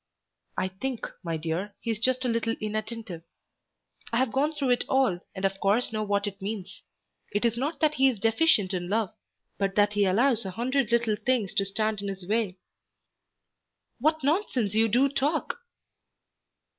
"I think, my dear, he is just a little inattentive. I have gone through it all, and of course know what it means. It is not that he is deficient in love, but that he allows a hundred little things to stand in his way." "What nonsense you do talk!"